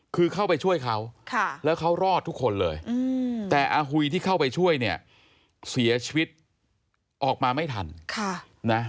คือเข้าไปช่วยเขาแล้วเขารอดทุกคนเลยแต่อาหุยที่เข้าไปช่วยเนี่ยเสียชีวิตออกมาไม่ทันนะ